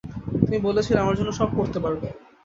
তুমি বলেছিলে আমার জন্য সব করতে পারবে।